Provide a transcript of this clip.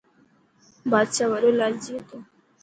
بادشاهه وڏو لالچي هتو.